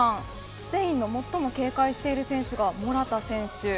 スペインの最も警戒してる選手がモラタ選手。